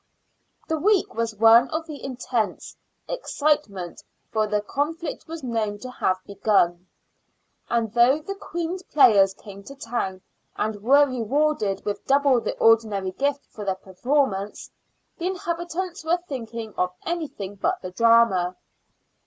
The week was one of intense excitement, for the con flict was known to have begun ; and though the Queen's players came to town, and were rewarded with double the ordinary gift for their performance, the inhabitants were thinking of anything but the drama.